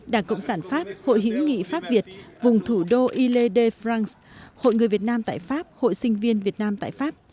đảng cộng sản pháp hội hữu nghị pháp việt vùng thủ đô ile de france hội người việt nam tại pháp hội sinh viên việt nam tại pháp